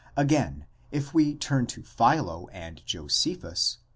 Again, if we turn to Philo and Josephus